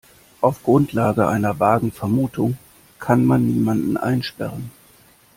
Auf Grundlage einer vagen Vermutung kann man niemanden einsperren.